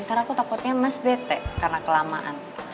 karena aku takutnya mas bete karena kelamaan